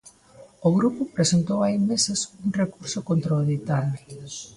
O grupo presentou hai meses un recurso contra o ditame.